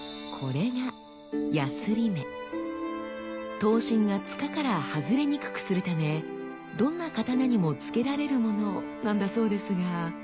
刀身が柄から外れにくくするためどんな刀にもつけられるものなんだそうですが。